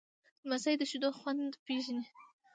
لمسی د شیدو خوند پیژني.